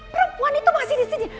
perempuan itu masih di sini